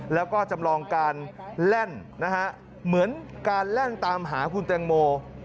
แล้วก็จำลองการแล่นนะฮะเหมือนการแล่นตามหาคุณแตงโม